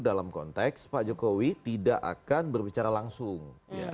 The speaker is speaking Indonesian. dalam konteks pak jokowi tidak akan berbicara langsung